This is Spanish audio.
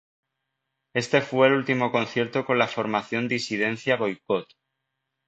Este fue el último concierto con la formación Disidencia-Boikot.